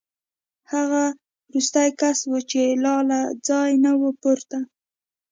هغه وروستی کس و چې لا له ځایه نه و پورته